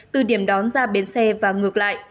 từ điểm đón ra bến xe và ngược lại